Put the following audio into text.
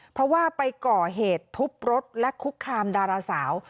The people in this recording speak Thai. เพราะว่าไปก่อเหตุทุบรถและคุกคามดาราสาว